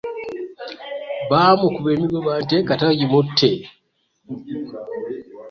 Bamukuba emigoba nte kata gimutte.